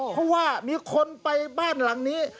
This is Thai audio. เพราะว่ามีคนไปบ้านหลังนี้